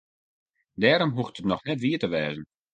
Dêrom hoecht it noch net wier te wêzen.